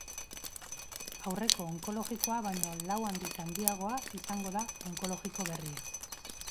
Aurreko onkologikoa baino lau aldiz handiagoa izango da onkologiko berria.